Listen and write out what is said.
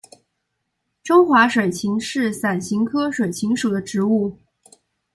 中华水芹是伞形科水芹属的植物。